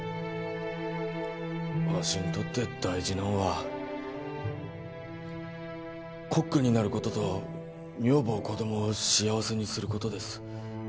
わしにとって大事なんはコックになることと女房子供を幸せにすることです